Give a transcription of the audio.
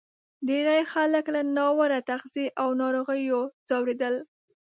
ډېری خلک له ناوړه تغذیې او ناروغیو ځورېدل.